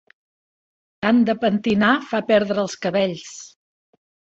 Tant de pentinar fa perdre els cabells.